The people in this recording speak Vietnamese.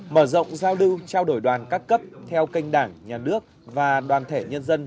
mở rộng giao lưu trao đổi đoàn các cấp theo kênh đảng nhà nước và đoàn thể nhân dân